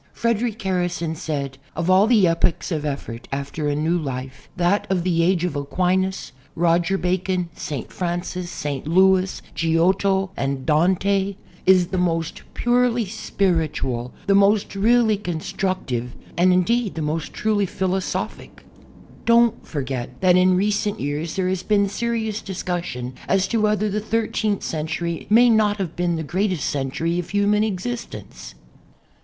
Frederic Harrison said : "Of all the epochs of effort after a new life, that of the age of Aquinas, Roger P)acon, St. Francis, St. Louis, Giotto and Dante, is the most purel} spiritual, the most really constructive and, indeed, the most truly philosophic." 14 TWENTY HISTORICAL "DONTS" Don't forget that in recent years there has been serious discussion as to whether the thirteenth century may not have been the greatest century of human existence.